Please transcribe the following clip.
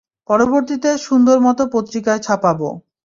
পরবর্তীতে সুন্দরমত পত্রিকায় ছাপাবো।